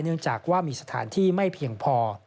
เนื่องจากว่ามีสถานที่ไม่เพียงพอ